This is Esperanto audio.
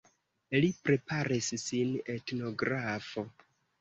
Li preparis sin etnografo.